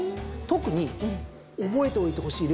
特に覚えておいてほしい